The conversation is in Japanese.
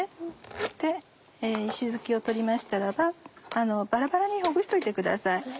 で石突きを取りましたらばバラバラにほぐしておいてください。